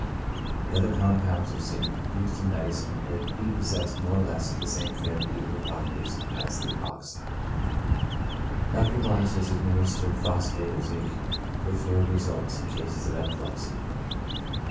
The other compounds of zinc used in medicine appear to be possessed more or less of the same therapeuti cal properties as the oxide. Dr. Barns has administered phosphate of zinc with favorable results in cases of epilepsy.